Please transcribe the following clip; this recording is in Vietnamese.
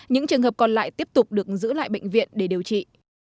những trường hợp còn lại tiếp tục được giữ lại bệnh viện để điều trị